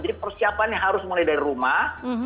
jadi persiapan yang harus mulai dari rumah